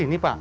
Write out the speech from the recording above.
di sini pak